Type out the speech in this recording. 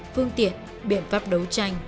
phương tiện biện pháp đấu tranh